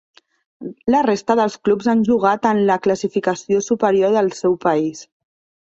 La resta dels clubs han jugat en la classificació superior del seu país.